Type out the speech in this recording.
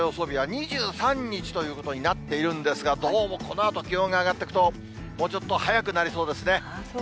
日は、２３日ということになっているんですが、どうもこのあと、気温が上がっていくと、もうちょっと早くなりそうですね。